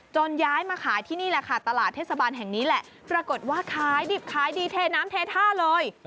ย้ายมาขายที่นี่แหละค่ะตลาดเทศบาลแห่งนี้แหละปรากฏว่าขายดิบขายดีเทน้ำเทท่าเลย